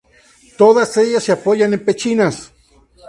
Todas ellas se apoyan en pechinas.